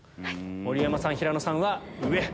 盛山さん平野さんは上。